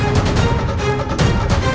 aku baik baik saja